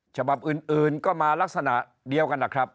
ฉบับอื่นก็มาลักษณะเดียวกันนะครับ